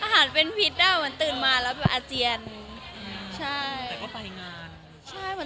อาหารเป็นภิตน่ะแต่เตือนมาแล้วแปลว่าอาเจียน